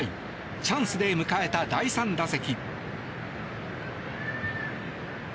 チャンスで迎えた第３打席。